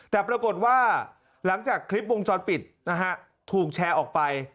แต่ปรากฏว่าหลังจากคลิปวงจรปิดนะฮะถูกแชร์ออกไป